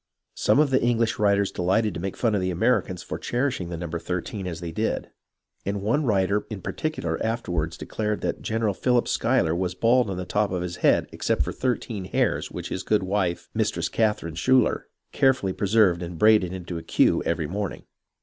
Some of the English writers delighted to make fun of the Ameri cans for cherishing the number thirteen as they did, and one writer in particular afterward declared that General Philip Schuyler was bald on the top of his head except for thirteen hairs which his good wife, Mistress Catherine Schuyler, carefully preserved and braided into a queue every morning.